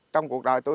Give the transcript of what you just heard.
trong cuộc đời tôi